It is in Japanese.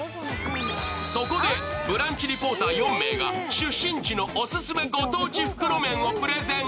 そこで、ブランチリポーター４名が出身地のオススメ袋麺をプレゼン。